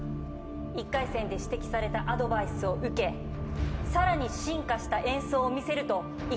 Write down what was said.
１回戦で指摘されたアドバイスを受けさらに進化した演奏を見せると意気込んでいました。